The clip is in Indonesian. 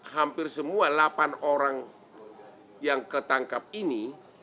hampir semua delapan orang yang ketangkap ini